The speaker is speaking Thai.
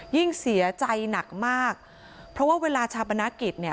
ยิ่งเสียใจหนักมากเพราะว่าเวลาชาปนกิจเนี่ย